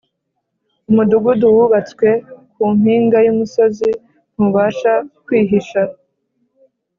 Umudugudu wubatswe ku mpinga y’umusozi ntubasha kwihisha